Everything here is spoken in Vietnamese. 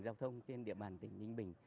giao thông trên địa bàn tỉnh ninh bình